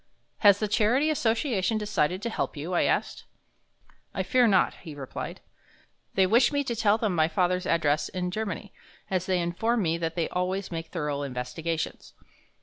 "Has the charity association decided to help you?" I asked. "I fear not," he replied. "They wish me to tell them my father's address in Germany, as they inform me that they always make thorough investigations.